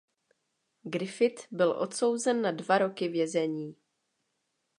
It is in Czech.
Griffith byl odsouzen na dva roky vězení.